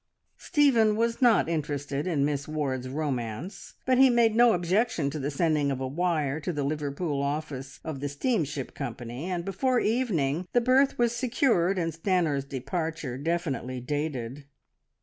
Stephen was not interested in Miss Ward's romance, but he made no objection to the sending of a wire to the Liverpool office of the steamship company, and before evening the berth was secured and Stanor's departure definitely dated.